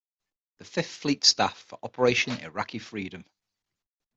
Fifth Fleet staff for Operation Iraqi Freedom.